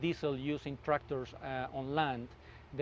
dan sangat mirip dengan diesel yang digunakan oleh traktor di tanah